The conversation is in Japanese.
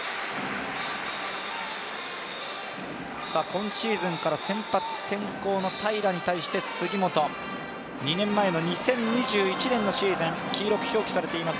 今シーズンから先発転向の平良に対して杉本、２年前の２０２１年のシーズン、黄色く表記されています